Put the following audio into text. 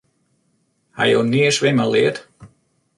Ha jo nea swimmen leard?